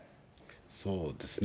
そうですね。